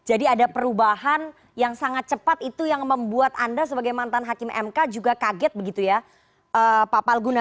ada perubahan yang sangat cepat itu yang membuat anda sebagai mantan hakim mk juga kaget begitu ya pak palguna